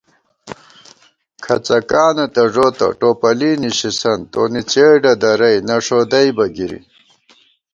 کھڅَکانہ تہ ݫوتہ ، ٹوپلی نِشِسنت ✿ تونی څېڈہ دَرَئی ، نہ ݭودَئیبہ گِری